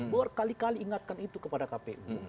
berkali kali ingatkan itu kepada kpu